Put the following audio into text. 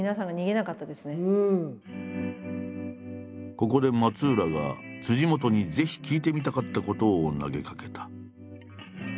ここで松浦が本にぜひ聞いてみたかったことを投げかけた。